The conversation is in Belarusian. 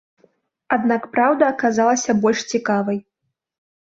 Аднак праўда аказалася больш цікавай.